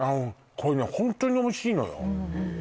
これねホントにおいしいのよ